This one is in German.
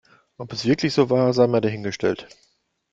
Ob es wirklich so war, sei mal dahingestellt.